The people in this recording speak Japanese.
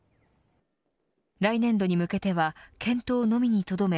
来年度に向けては検討のみにとどめ